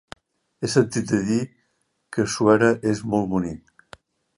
He sentit a dir que Suera és molt bonic.